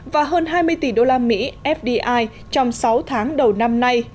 và hơn hai mươi tỷ đô la mỹ fdi trong sáu tháng đầu năm nay